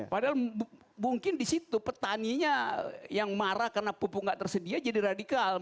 padahal mungkin di situ petaninya yang marah karena pupuk nggak tersedia jadi radikal